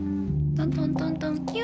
トントントントンキュ。